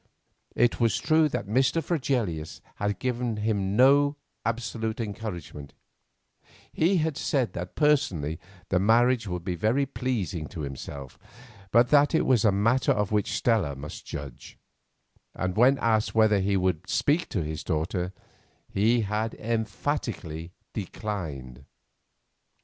It was true that Mr. Fregelius had given him no absolute encouragement; he had said that personally the marriage would be very pleasing to himself, but that it was a matter of which Stella must judge; and when asked whether he would speak to his daughter, he had emphatically declined.